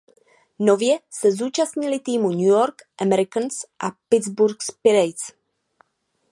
Nově se zúčastnily týmy New York Americans a Pittsburgh Pirates.